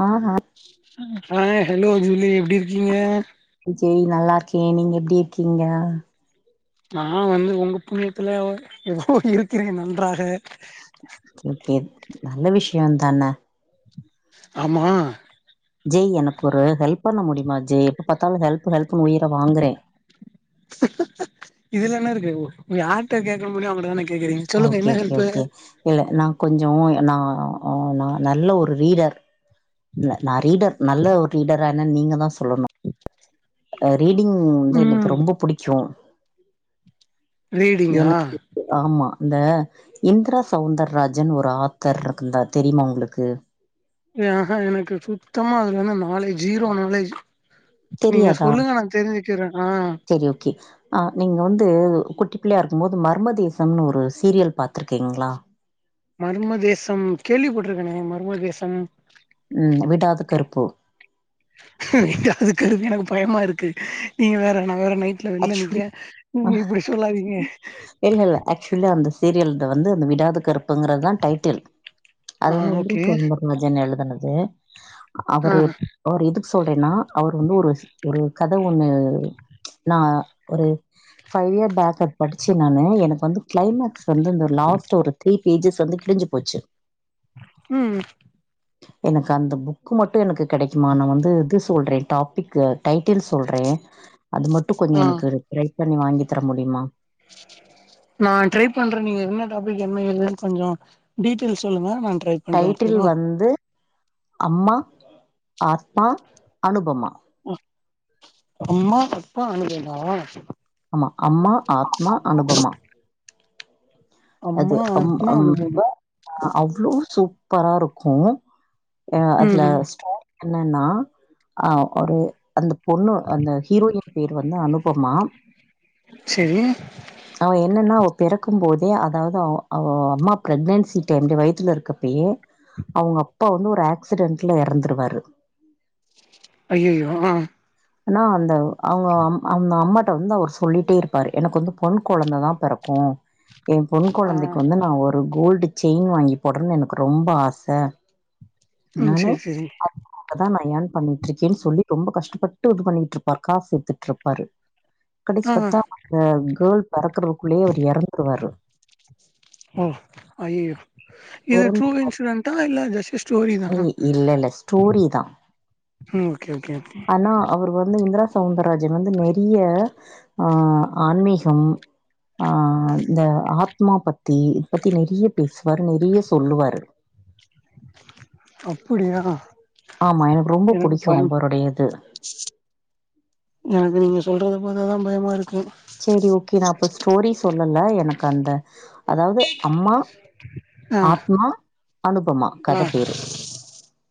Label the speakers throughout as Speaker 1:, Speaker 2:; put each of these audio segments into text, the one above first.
Speaker 1: ஆ ஆ
Speaker 2: hi hello Julie எப்டி இருக்கீங்க
Speaker 1: ஓகே நீங்க எப்டி இருக்கீங்க
Speaker 2: நா வந்து ஒங்க புண்ணியத்துல எதோ இருக்கிறேன் நன்றாக
Speaker 1: ஓகே நல்ல விஷயந்தானே
Speaker 2: ஆமா
Speaker 1: ஜெய் எனக்கொரு ஹெல்ப் பண்ண முடியுமா ஜெய் எப்ப பாத்தாலு ஹெல்ப்பு ஹெல்ப் ஹெல்ப்னு உயிர வாங்குறே
Speaker 2: இதுல என்ன இருக்கு யார்ட கேட்க முடியுமோ அவங்கட்ட தானே
Speaker 1: ஓகே ஓகே ஓகே இல்ல நா கொஞ்ச நா ஆ நா நல்ல ஒரு ரீடர் இல்ல நா ரீடர் நல்ல ஒர் ரீடரா என்னன் நீங்க தா சொ சொல்லன்னு அ ரீடிங் வந்து
Speaker 2: ம்
Speaker 1: எனக்கு ரொம்ப பிடிக்கும்
Speaker 2: ரீடிங்கா
Speaker 1: எனக்கு ஆமா இந்த இந்திரா சௌந்தர்ராஜன் ஒரு ஆத்தர் இருந்தார் தெரியுமா ஒங்களுக்கு
Speaker 2: ஏ ஆஹா எனக்கு சுத்தமா அதுல நாலேஜ் ஜீரோ நாலேஜ் நீங்க
Speaker 1: தெரியாதா
Speaker 2: சொல்லுங்க நா தெரிஞ்சுக்கிறேன் ஆ
Speaker 1: செரி ஓகே ஆ நீங்க வந்து கு ட்டிப்பிள்ளையா இருக்கும்போது மர்மதேசம்னு ஒரு சீரியல் பாத்துருக்கீங்களா
Speaker 2: மர்மதேசம் கேள்வி பட்டுருக்கேன மர்ம தேசம்
Speaker 1: ம் விடாது கருப்பு
Speaker 2: அதுக்கு இருக்கு எனக்கு பயமா இருக்கு நீங்க வேற நா வேற நைட்ல வெளில
Speaker 1: ஆக்சுவலி
Speaker 2: நிக்கேன் நீ இப்படி சொல்லாதீங்க
Speaker 1: சீரியல்ட வந்து இந்த விடாது கருப்புங்கறதுதா டைட்டில் அது
Speaker 2: ஆ
Speaker 1: வந்து இந்திர
Speaker 2: ஓகே
Speaker 1: சௌந்தர்ராஜன் எழுதுனது து
Speaker 2: ஆ
Speaker 1: அவரு ஒரு இது சொல்றேன்னா அவர் வந்து ஒரு ஒரு கத ஒண்ணு நா ஒரு ஃபை யேர் பேக் அது படிச்சு நாணு எனக்கு வந்து கிளைமேக்ஸ் வந்து இந்த லாஸ் ட் ஒரு த்ரீ பேஜஸ் வந்து கிழிஞ்சு போச்சு
Speaker 2: ம்
Speaker 1: எனக்கு அந்த புக் மட்டும் எனக்கு கிடைக்குமா நான் வந்து இது சொல்றேன் டாப்பிக்கு டைட்டில் சொல்றே அது மட்டும் கொஞ்சம்
Speaker 2: ஆ
Speaker 1: எனக்கு ட்ரை பண்ணி வாங்கி தர முடியுமா
Speaker 2: [unintelligible] நா ட்ரை பண்றேன் நீங்க என்ன டாப்பிக் என்ன ஏதுன்னு கொஞ்சொ டீடைல் சொல்லுங்க நா ட்ரை பண்றே
Speaker 1: டைட்டில்
Speaker 2: ஓகேவா
Speaker 1: வந்து அம்மா ஆத்மா அனுபமா
Speaker 2: ம் அம்மா அப்பா அனுபதா
Speaker 1: அம்மா அம்மா ஆத்மா அனுபமா அது
Speaker 2: அம்மா
Speaker 1: அம்
Speaker 2: ஆத்மா
Speaker 1: அம்
Speaker 2: அனுபமா
Speaker 1: [unintelligible] ஆ அவ்ளோ சூ ப்பரா இருக்கும் அ
Speaker 2: ம்
Speaker 1: அதுல
Speaker 2: ம்
Speaker 1: ஸ்டோரி என்னன்னா ஆ ஒரு அது அந்த பொண்ணு அந்த ஹீரோயின் பேர் வந்து அனுபமா
Speaker 2: செரி
Speaker 1: அவ என்னன்னா பிறக்கும் போதே அதாவது அவ அவ அம்மா பிரக்னன்சி ரெண்டு வயித்துல இருக்கப்பயே அவங்க அப்பா வந்து ஒரு ஆக்சிடென்ட்ல இறந்துருவாரு
Speaker 2: ஐயையோ ஆ
Speaker 1: ஆனா அந்த அவங்க அந்த அம்மாட்ட வந்து அவர் சொல்லிட்டே இருப்பாரு எனக்கு வந்து பொண் கொழந்தை தான் பிறக்கும்
Speaker 2: [unintelligible]
Speaker 1: என் பொண்
Speaker 2: ஆ
Speaker 1: கொழந்தைக்கு வந்து நான் ஒரு கோல்டு செயின் வாங்கி போடன்னு எனக்கு ரொம்ப ஆச
Speaker 2: ம்
Speaker 1: நான்னு
Speaker 2: செரி செரி
Speaker 1: அதான் நா யென் பண்ணிட்டு இருக்கேன்னு சொல்லி ரொம்ப கஷ்டப்ப ட்டு இது பண்ணிட்டு இருப்பாரு காசு சேத்துட்ருப்பாரு கடைசி
Speaker 2: ஆ
Speaker 1: பார்த்தா அந்த கேள் பிறக்கறதுக்குள்ளயே அவர் இறந்துருவாரு
Speaker 2: ஓ ஐயையோ இது
Speaker 1: இறந்
Speaker 2: ட்ரூ இன்சிடெண்டா இல்ல ஜஸ்ட் ஸ்டோரி
Speaker 1: இ
Speaker 2: தானா
Speaker 1: இல்ல, இல்ல. ஸ்டோரி தான்.
Speaker 2: ம் ஓகே ஓகே ஓகே
Speaker 1: ஆனா அவர் வந்து இந்திரா சௌவுந்தராஜ் வந்து நிறைய ஆ ஆன்மீகம் ஆ இந்த ஆத்மா பத்தி இத பத்தி நிறைய பேசுவார் நிறைய சொல்லுவாரு
Speaker 2: அப்புடியா
Speaker 1: ஆமா. ரொம்ப
Speaker 2: எனக்கு
Speaker 1: புடிக்கும்
Speaker 2: பயொ
Speaker 1: அவருடைய இது.
Speaker 2: எனக்கு நீங்க சொல்றத பாத்தாதா பயமா இருக்கு
Speaker 1: செரி ஓகே நான் இப்ப ஸ்டோரி சொல்லல எனக்கு அந்த அதாவது அம்மா
Speaker 2: ஆ
Speaker 1: ஆத்மா அனுபமா
Speaker 2: ஆ
Speaker 1: கத பேரு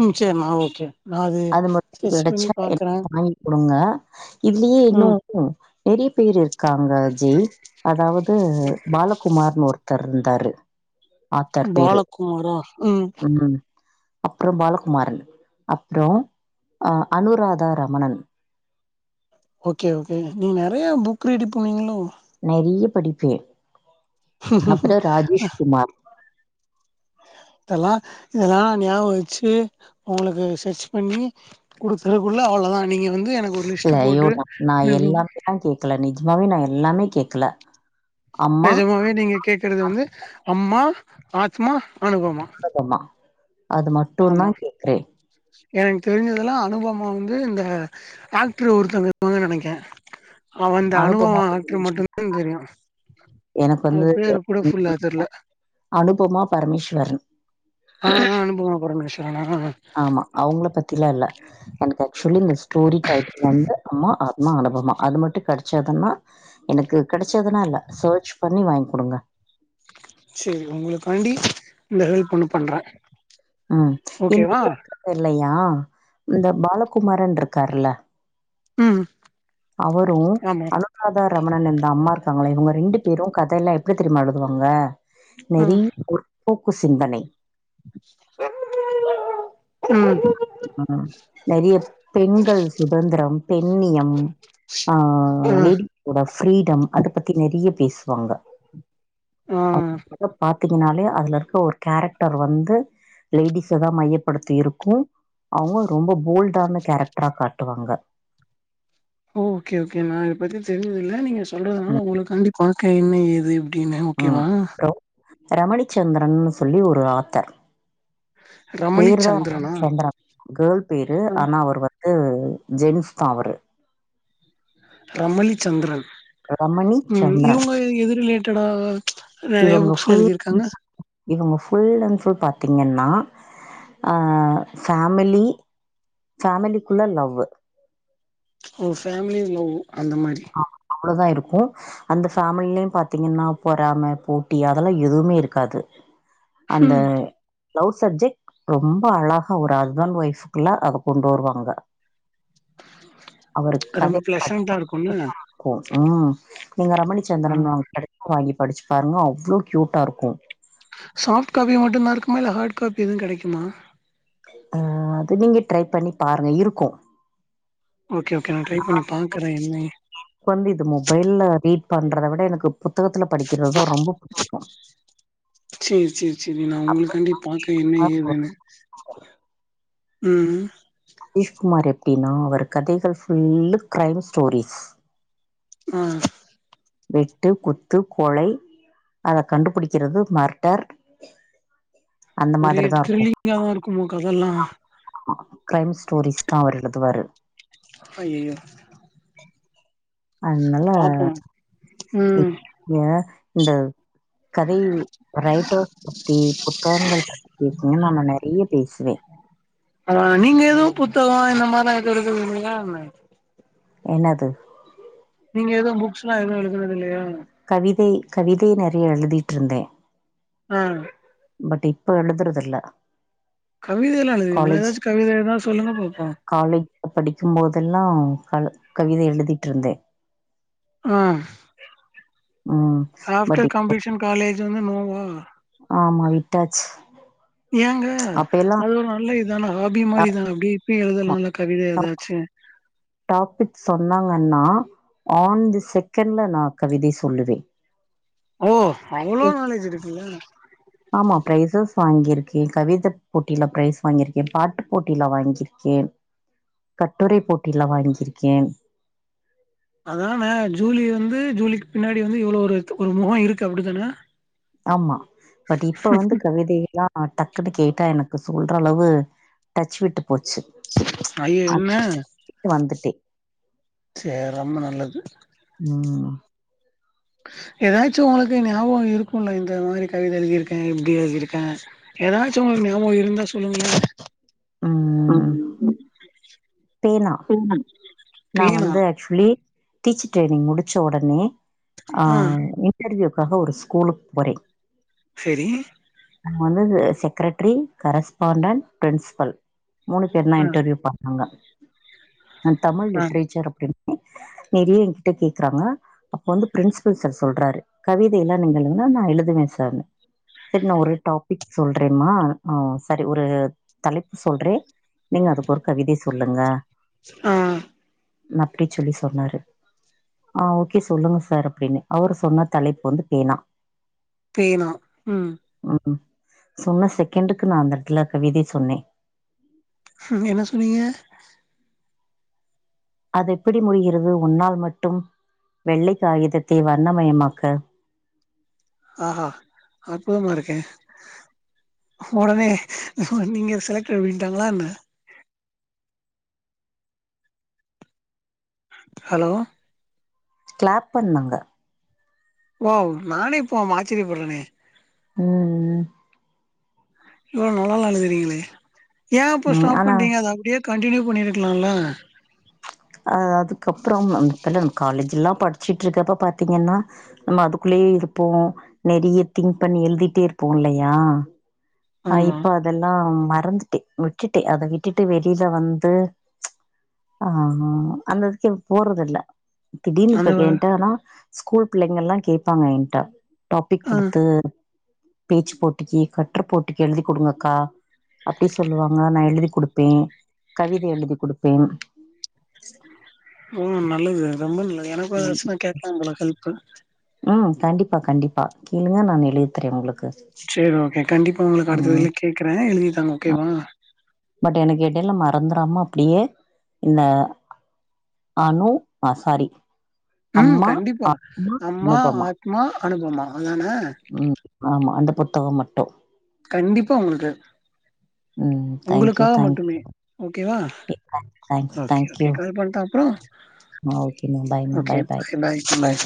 Speaker 2: ம் செரி நா ஓகே நா அது
Speaker 1: மட்டும்
Speaker 2: செர்ச் பண்ணி
Speaker 1: கிடைச்சா
Speaker 2: பாக்குறே
Speaker 1: எனக்கு வாங்கி குடுங்க. இதுலயே
Speaker 2: ம்
Speaker 1: இன்னும், நெறைய பேரு காங்கஜி, அதாவது பாலகுமார்னு ஒருத்தர் இருந்தாரு. ஆத்தர் பேரு
Speaker 2: பாலகுமாரா ம்
Speaker 1: அப்புறம் பாலகுமாரன், அப்புறோ அ அனுராதா ரமணன்.
Speaker 2: ஓகே, ஓகே, நீங்க நெறைய புக் ரீடி போனீங்களோ
Speaker 1: நறைய படிப்பே, அப்புறோ ராஜேஷ்குமார்
Speaker 2: ஆ இதெல்லா, இதெல்லா ஞாபகோ வெச்சி, உங்களுக்கு சர்ச் பண்ணி குடுத்தறக்குள்ள அவ அவ்ளோதா நீங்கோ
Speaker 1: இல்ல ஐயோ நோ நா எல்லாமேதா கேக்கல, நிஜ்மாவே நா எல்லாமே கேக்கல
Speaker 2: நிஜமாவே நீங்க கேக்குறது வந்து, அம்மா, ஆத்மா அனுப்பமா
Speaker 1: ஆமா அது மட்டு தா கேக்குறே
Speaker 2: எனக்கு தெரிஞ்சதெல்லா அனுப்பமா வந்து, இந்த ஆக்டர் ஒருத்தங்கவங்க இருக்காங்க நெனைக்கே அவே இந்த
Speaker 1: அனுபமா
Speaker 2: அனுப்பமா ஆக்டர்
Speaker 1: பரமேஸ்வரன்.
Speaker 2: மட்டுதா தெரியு
Speaker 1: எனக்கு வந்து
Speaker 2: அவர் பேரு கூட ஃபுல்லா தெர்ல.
Speaker 1: அனுபமா பரமேஸ்வரன்.
Speaker 2: அ அ அனுப்பம்மா பரமேஷ்வரனா
Speaker 1: ஆமா, அவுங்கள பத்திலா இல்ல, எனக்கு ஆக்சுவலி இந்த ஸ்டோரி டைட்டில் வந்து அம்மா, ஆத்மானு பா பா மா அது மட் டு கெடைச்சதுன்னா எனக்கு கெடைச்சதுனா இல்ல, சர்ச் பண்ணி வாங்கி குடுங்க.
Speaker 2: சேரி, உங்களுக்காண்டி இந்த ஹெல்ப் ஒன்னு பண்றே.
Speaker 1: ம் இந்த
Speaker 2: ஓகேவா
Speaker 1: இது இருக்காரு இல்லையா, இந்த பாலகுமாரன் இருக்கருல.
Speaker 2: ம்
Speaker 1: அவரு,
Speaker 2: ஆமா
Speaker 1: அனுராதா ரமணன் இந்த அம்மா காங்கள, இவங்க ரெண்டு பேரு கதல்லா எப்டி தெரியமா எழுதுவாங்க,
Speaker 2: ஆ
Speaker 1: நெறைய முற்போக் கு சிந்தனை
Speaker 2: ம்
Speaker 1: ம் நெறைய பெண்கள் சுதந்திரம், பெண்ணியம் ஆ
Speaker 2: ஆ
Speaker 1: லேடி [unintelligible] ஃபிரீடம் அத பத்தி நெறைய பேசுவாங்க
Speaker 2: ஆ
Speaker 1: [inaudible] பாத்தீங்கனாலே, அதுல இருக்க ஒரு கேரக்டர் வந்து, லேடிஸ் தா மையப்படுத்தி இருக்கு. அவுங்க ரொம்ப போல்டான, கேரக்டரா காட்டுவாங்க.
Speaker 2: ஒ ஓகே, ஓகே நா இத பத்தி தெரிஞ்சது இல்ல. நீங்க சொல்றதுனால
Speaker 1: ம்
Speaker 2: உங்களுக்காண்டி பாக்கே என்ன, ஏது எப் எப்படின்னு ஓகேவா
Speaker 1: ரமலிச்சந்திரன்னு சொல்லி ஒரு ஆத்தர்.
Speaker 2: ரமளி
Speaker 1: பேருதா
Speaker 2: சந்திரனா
Speaker 1: ரமலிச்சந்திரன். கேர்ள் பேரு
Speaker 2: ஆ
Speaker 1: ஆனா அவர் வந் து ஜென்ஸ் தா அவரு
Speaker 2: ரமலி சந்திரன்
Speaker 1: ரமணி
Speaker 2: ம்
Speaker 1: சந்திரன்
Speaker 2: இவங்க எது ரிலேட்டடா நெறைய
Speaker 1: இவங்க
Speaker 2: புக்ஸ்லா
Speaker 1: ஃபுல்
Speaker 2: எழுதிருக்காங்க
Speaker 1: இவங்க ஃபுல் அண்ட் ஃபுல் பாத்தீங்கன்னா, அ ஃபேமிலி ஃபேமிலிக்குள்ள லவ்வு
Speaker 2: ஒ ஃபேமிலி லவ் அந்த மாரி
Speaker 1: குள்ளதா இருக்கு அந்த ஃபேமில்லியு பாத்தீங்கன்னா பொறம, போட்டி அதெல்லா எதுவுமே இருக்காது. அந்த
Speaker 2: ம்
Speaker 1: லவ் சப்ஜெக்ட் ரொம்ப அழகா ஒரு ஹஸ்பண்ட் ஒய்ஃபுக்குள்ள, அத கொண்டு வருவாங்க.
Speaker 2: ரொம்ப பிளசன்டா இருக்கும்ல.
Speaker 1: கு ம் நீங்க ரமலிச்சந்திரன்
Speaker 2: ஆ
Speaker 1: அவுங்க புக் கெடச்சா வாங்கி படிச் பாருங்கா, அவ்ளோ கியூட்டா இருக்கு
Speaker 2: சாஃப்ட் காபி மட்டு தா இருக்குமா? இல்ல ஹார்ட் காபி எதுவு கெடைக்குமா?
Speaker 1: அ அது நீங்க ட்ரை பண்ணி பாருங்க இருக்கு.
Speaker 2: ஓகே ஓகே நா ட்ரை பண்ணி பாக்குறே என்ன
Speaker 1: தம்பி இது மொபைல்ல ரீட் பண்றத விட எனக்கு புத்தகத்துல படிக்கிறதுதான் ரொம்ப புடிக்கும்.
Speaker 2: செரி செரி செரி நான் உங்களுக்காண்டி பாக்க என்ன
Speaker 1: ஆ
Speaker 2: ஏதுன்னு ம்
Speaker 1: ஹரிஷ் குமார் எப்டின்னா அவர் கதைகள் புல்லா கிரைம் ஸ்டோரிஸ்
Speaker 2: ஆ
Speaker 1: வெட்டு குத்து கொலை அத கண்டுபுடிக்கிறது மர்டர் அந்த
Speaker 2: ஒரே
Speaker 1: மாதிரிதா இருக்கு
Speaker 2: த்ரில்லிங்காதான் இருக்குமோ கதைல்லாம்
Speaker 1: கிரைம் ஸ்டோரிஸ் தான் அவரு எழுதுவாறு.
Speaker 2: அய்யய்யோ
Speaker 1: அனால
Speaker 2: ம்
Speaker 1: ஏ இந்த கதை ரைட்டர்ஸ் பத்தி புத்தகங்கள் பத்தி நம்ம நெறையா பேசுவேன்.
Speaker 2: ஆ நீங்க எதும் புத்தகம் இந்த மாரிலா எழுதறது இல்லையா என்ன
Speaker 1: என்னாது
Speaker 2: நீங்க எதும் புக்ஸ்ல்லாம் எதும் எழுதறது இல்லையா
Speaker 1: கவிதை கவிதை நெறையா எழுதிட்டு இருந்தேன்.
Speaker 2: ம்
Speaker 1: பட் இப்போ எழுதுறது இல்ல.
Speaker 2: கவிதைலா எழுதுவீங்களா
Speaker 1: காலேஜ்
Speaker 2: ஏதாச்சு கவிதை எதா சொல்லுங்க பாப்போ
Speaker 1: காலேஜ் படிக்கும்போதெ இன்னும் கவிதை எழுதிட்டு இருந்தேன்.
Speaker 2: ம்
Speaker 1: ம் பட்
Speaker 2: ஆப்டர்
Speaker 1: இப்ப
Speaker 2: கம்பீஷன் காலேஜ் வந்து நோவா.
Speaker 1: ஆமா விட்டாச்சு.
Speaker 2: ஏங்க
Speaker 1: அப்ப எல்லாம்
Speaker 2: அது ஒரு நல்ல இதான ஹாபி மாரிதான பீபி எழுதலாம் இல்ல.
Speaker 1: [inaudible] டாபிக் சொன்னா உங்க அண்ணா ஆன் தி செகண்ட்ல நா கவிதை சொல்லுவேன்.
Speaker 2: ஓ அவ்ளோ நாலேஜ் இருக்குல்ல.
Speaker 1: வாங்கியிருக்கேன் கவித போட்டியில பிரைஸ் வாங்கியிருக்கேன். பாட்டு போட்டியில வாங்கியிருக்கேன். கட்டுரை போட்டியில வாங்கியிருக்கேன்.
Speaker 2: அதான ஜூலி வந்து ஜூலிக்கு பின்னாடி வந்து இவ்ளோ ஒரு து ஒரு மொகம் இருக்கு. அப்டிதான
Speaker 1: ஆமா பட் இப்ப வந்து கவிதைலா ஆ டக்குன்னு கேட்டா எனக்கு சொல்ற அளவு டச் விட்டு போச்சு
Speaker 2: ஐயோ என்ன
Speaker 1: [inaudible] வந்துட்டேன்.
Speaker 2: சே ரம்ப நல்லது.
Speaker 1: ம்
Speaker 2: [inaudible] ஏதாச்சும் உங்களுக்கு ஞாபகம் இருக்கும் இல்ல இந்த மாரி கவிதை எழுதிருக்கேன் எப்டி எழுதி இருக்கேன் ஏதாச்சும் உங்களு க்கு ஞாபகம் இருந்தா சொல்லுங்களா ம்
Speaker 1: பேனா நான்
Speaker 2: பேனா
Speaker 1: வந்து ஆக்சுவலி டீச்சர் ட்ரைனிங் முடிச்ச உடனே ஆ இன்டர்வியூ காக ஒரு ஸ்கூலுக்கு போறேன்
Speaker 2: சரி
Speaker 1: நாங்க வந்து செக்ரேட்டரி கரஸ்பாண்டன்ட் பிரின்சிபல். மூணு பேரும் தான்
Speaker 2: ஆ
Speaker 1: இன்டர்வியூ பாத்தாங்க. நா தமிழ்
Speaker 2: ஆ
Speaker 1: லிட்ரேச்சர் அப்டின்னு
Speaker 2: [unintelligible]
Speaker 1: நெறிய என்கிட்ட கேக்குறாங்க அப்ப வந்து பிரின்சிபல் சார் சொல்றாரு கவிதை எல்லாம் நீங்கள் என்னன்னா எழுதுவ சார்னு சரி நான் ஒரு டாபிக் சொல்றேமா ஆ சரி ஒரு தலைப்பு சொல்றேன் நீங்க அதுக்கு ஒரு கவிதை சொல்லுங்க.
Speaker 2: ம்
Speaker 1: னப்டி சொல்லி சொன்னாரு ஆ ஓகே சொல்லுங்க சார் அப்டின்னே அவரு சொன்ன தலைப்பு வந்து பேனா
Speaker 2: பேனா ம்
Speaker 1: சொன்ன செகண்டுக்கு நா அந்த எடத்துல கவிதே சொன்னே
Speaker 2: ம் என்ன சொன்னீங்க
Speaker 1: அது எப்டி முடிகிறது உன்னால் மட்டும் வெள்ளை காகிதத்தை வர்ணமயமாக்க
Speaker 2: ஆஹா அற்புதாம இருக்கே உடனே நீங்க செலக்ட்டட் அப்டின்டாங்களா என்ன ஹலோ
Speaker 1: கிளாப் பண்ணாங்க
Speaker 2: வாவ் நானே இப்போம் ஆச்சரியப்பட்றேனே
Speaker 1: ம் ம்
Speaker 2: இவ்ளோ நல்லால்லா எழுதுறீங்களே ஏன் இப்போ
Speaker 1: ம்
Speaker 2: ஸ்டாப்
Speaker 1: ஆனா
Speaker 2: பண்டீங்க அத அப்டியே கன்டினியூ பண்ணியிருக்கலால
Speaker 1: அ அதுக்கப்புறம் அப்பல்லாம் காலேஜ் எல்லாம் படிச்சுட்டு இருக்கப்ப பாத்தீங்கன்னா நம்ம அதுக்குள்ளயே இருப்போ நெறைய திங்க் பண்ணி எழுதிட்டே இருப்போ இல்லையா அ
Speaker 2: ஆமா
Speaker 1: இப்ப அதெல்லா மறந்துட்டே விட்டுட்டே அத விட்டுட்டு வெளில வந்து ஆ ஆ அந்ததுக்கு இப்போ போறது இல்ல திடீர்னு இப்ப
Speaker 2: அந்த
Speaker 1: கேன்டால்லா ஸ்கூல் பிள்ளைங்கெல்லா கேட்பாங்க ஏன்ட டாபிக்
Speaker 2: ஆ
Speaker 1: குடுத்து பேச்சு போட்டிக்கு கட்ரை போட்டிக்கு எழுதி குடுங்க அக்கா அப்டி சொல்லுவாங்க நா எழுதிக் குடுப்பேன் கவிதை எழுதி குடுப்பேன்
Speaker 2: ம் நல்லது ரொம்ப நல்லது எனக்கும் ஏதாச்சுன்னா கேக்கலாம் போல ஹெல்ப்பு
Speaker 1: ம் கண்டிப்பா கண்டிப்பா கேழுங்க நான் எழுதுத்துறேன் உங்களுக்கு
Speaker 2: சேரி ஓகே கண்டிப்பா உங்களுக்கு அடுத்த
Speaker 1: ம்
Speaker 2: இதுல கேக்குறே எழுதிதாங்க ஓகேவா
Speaker 1: பட் எனக்கு எடையில மறந்துறாம அப்டியே இன்ன அனு ஆ சாரி
Speaker 2: ம்
Speaker 1: அம்மா
Speaker 2: கண்டிப்பா
Speaker 1: ஆத்மா
Speaker 2: அம்மா
Speaker 1: அனுபமா
Speaker 2: ஆத்மா அனுபமா அதானே
Speaker 1: ம் ஆமா அந்த புத்தக மட்டு
Speaker 2: கண்டிப்பா உங்களுக்கு
Speaker 1: ம் தேங்க்யூ
Speaker 2: உங்களுக்காக
Speaker 1: தேங்க்யூ
Speaker 2: மட்டுமே ஓகே வா
Speaker 1: thanks
Speaker 2: okay
Speaker 1: thank you
Speaker 2: okay call பண்டா அப்றோ
Speaker 1: ஆ ஓகேமா பாய்மா
Speaker 2: ஓகே
Speaker 1: பாய்
Speaker 2: பாய் பாய்